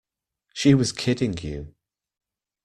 She was kidding you.